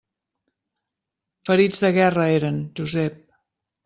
Ferits de guerra, eren, Josep!